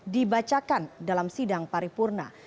dibacakan dalam sidang paripurna